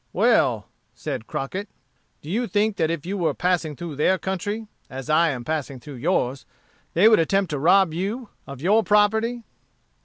"Well," said Crockett, "do you think that if you were passing through their country, as I am passing through yours, they would attempt to rob you of your property?"